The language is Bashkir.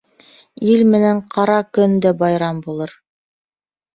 Ил менән ҡара көн дә байрам булыр.